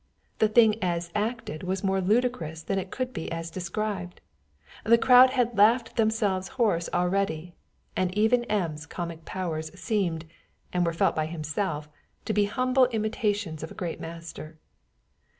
The thing as acted was more ludicrous than it could be as described. The crowd had laughed themselves hoarse already; and even M.'s comic powers seemed, and were felt by himself, to be humble imitations of a greater master.